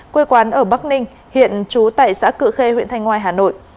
quê quán ở bắc ninh hiện trú tại xã cự khê huyện thanh ngoài hà nội